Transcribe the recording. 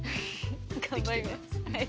頑張ります。